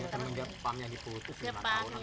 yang jepangnya diputus lima tahun